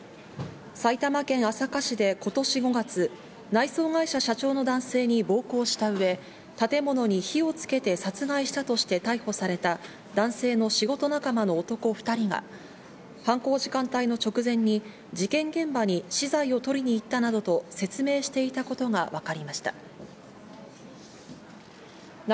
埼玉県朝霞市で今年５月、内装会社社長の男性に暴行した上、建物に火をつけて殺害したとして逮捕された男性の仕事仲間の男２人が犯行時間帯の直前に事件現場に資材を取りに行ったなどと説明していたことがわかりました。